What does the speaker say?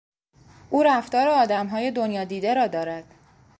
او رفتار آدمهای دنیادیده را دارد.